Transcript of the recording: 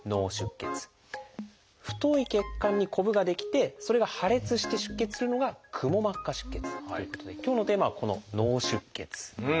太い血管にこぶが出来てそれが破裂して出血するのが「くも膜下出血」ということで今日のテーマはこの「脳出血」なんです。